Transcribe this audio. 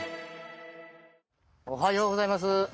おはようございます。